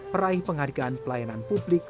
peraih penghargaan pelayanan publik